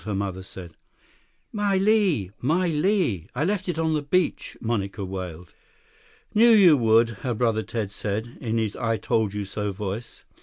her mother said. "My lei! My lei! I left it on the beach!" Monica wailed. "Knew you would," her brother Ted said, in his I told you so voice. Mr.